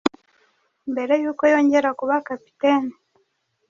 mbere y’uko yongera kuba kapiteni